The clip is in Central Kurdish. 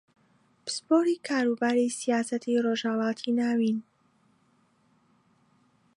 پسپۆڕی کاروباری سیاسەتی ڕۆژھەڵاتی ناوین